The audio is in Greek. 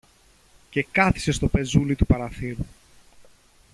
και κάθησε στο πεζούλι του παραθύρου